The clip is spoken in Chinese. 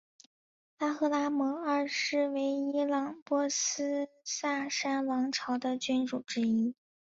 巴赫拉姆二世为伊朗波斯萨珊王朝的君主之一。